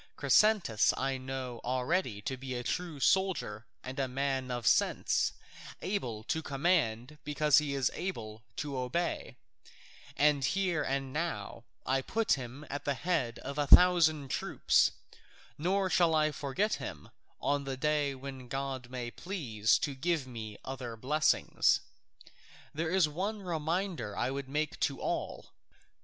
Chrysantas I know already to be a true soldier and a man of sense, able to command because he is able to obey, and here and now I put him at the head of a thousand troops, nor shall I forget him on the day when God may please to give me other blessings. There is one reminder I would make to all.